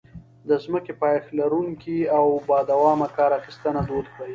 د ځمکې پایښت لرونکې او بادوامه کار اخیستنه دود کړي.